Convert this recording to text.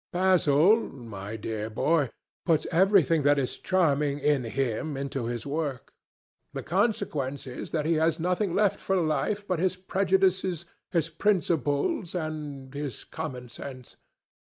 "Basil, my dear boy, puts everything that is charming in him into his work. The consequence is that he has nothing left for life but his prejudices, his principles, and his common sense.